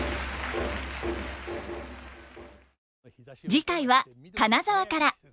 次回は金沢から。